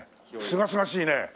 すがすがしい。